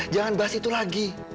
jangan bahas itu lagi